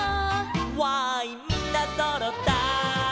「わーいみんなそろったい」